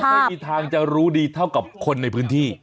ไม่มีทางจะรู้ดีเท่ากับคนในพื้นที่